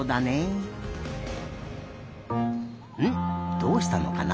どうしたのかな？